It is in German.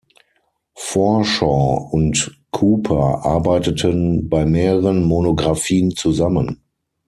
Forshaw und Cooper arbeiteten bei mehreren Monographien zusammen.